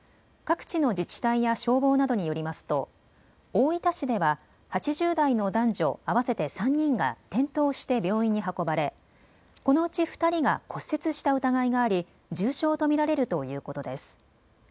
各地の自治体や消防などによりますと大分市では８０代の男女合わせて３人が転倒して病院に運ばれこのうち２人が骨折した疑いがあり重傷と見られるということです。